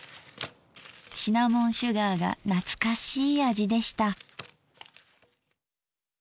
シナモンシュガーが懐かしい味でした。